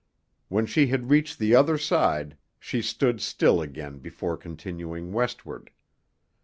When she had reached the other side she stood still again before continuing westward.